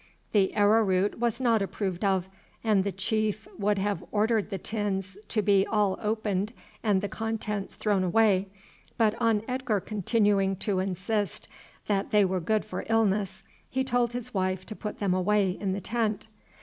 The arrow root was not approved of, and the chief would have ordered the tins to be all opened and the contents thrown away, but on Edgar continuing to insist that they were good for illness, he told his wife to put them away in the tent.